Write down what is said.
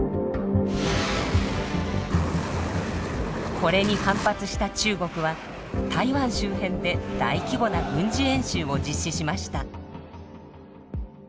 これに反発した中国は台湾周辺で大規模な軍事演習を実施しました。